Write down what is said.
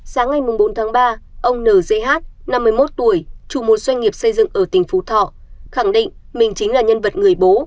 sáng ngày bốn tháng ba ông n j h năm mươi một tuổi chủ môn doanh nghiệp xây dựng ở tỉnh phú thọ khẳng định mình chính là nhân vật người bố